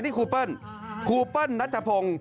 นี่ครูเปิ้ลครูเปิ้ลนัทพงศ์